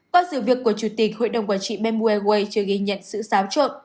qua sự việc của chủ tịch hội đồng quản trị bmw airways chưa ghi nhận sự xáo trộn